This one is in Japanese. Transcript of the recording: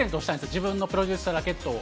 自分のプロデュースしたラケットを。